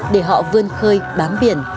để họ vươn khơi bám biển